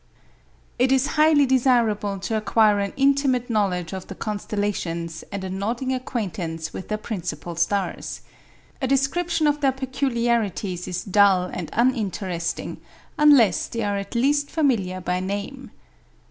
It is highly desirable to acquire an intimate knowledge of the constellations and a nodding acquaintance with their principal stars. A description of their peculiarities is dull and uninteresting unless they are at least familiar by name.